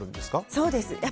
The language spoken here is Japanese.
そうです。